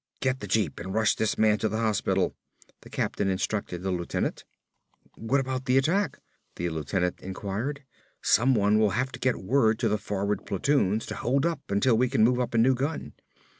"Get the jeep and rush this man to the hospital," the captain instructed the lieutenant. "What about the attack?" the lieutenant inquired. "Someone will have to get word to the forward platoons to hold up until we can move up a new gun."